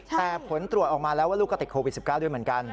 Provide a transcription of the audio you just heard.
แต่ผลตรวจออกมาแล้วว่าลูกก็ติดโควิด๑๙ด้วยเหมือนกัน